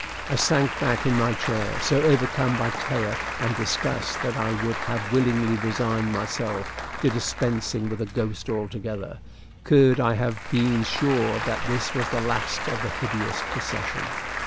I sank back in my chair, so overcome by terror and disgust that I would have very willingly resigned myself to dispensing with a ghost altogether, could I have been sure that this was the last of the hideous procession.